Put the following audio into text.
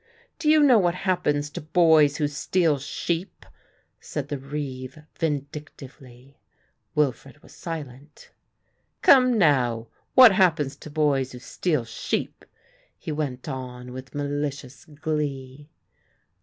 Do you know what happens to boys who steal sheep?" said the reeve vindictively. Wilfred was silent. "Come now, what happens to boys who steal sheep?" he went on with malicious glee.